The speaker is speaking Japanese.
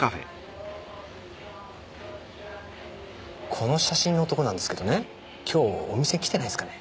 この写真の男なんですけどね今日お店来てないですかね？